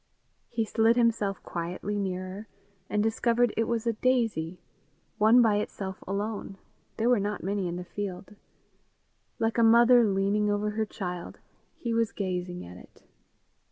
He slid himself quietly nearer, and discovered it was a daisy one by itself alone; there were not many in the field. Like a mother leaning over her child, he was gazing at it.